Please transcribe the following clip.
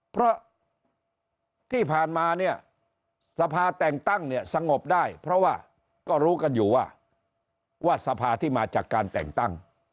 เพราะที่ผ่านมาเนี่ยสภาแต่งตั้งเนี่ยสงบได้เพราะว่าก็รู้กันอยู่ว่าสภาที่มาจากการแต่งตั้ง